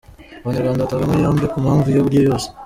Abanyarwanda batabwa muri yombi ku mpamvu iyo ariyo yose